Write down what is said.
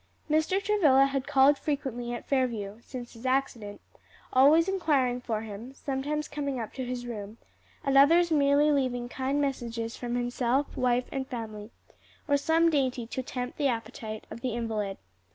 Mr. Travilla had called frequently at Fairview, since his accident, always inquiring for him, sometimes coming up to his room, at others merely leaving kind messages from himself, wife and family, or some dainty to tempt the appetite of the invalid.